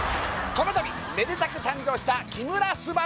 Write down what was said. この度めでたく誕生した木村昴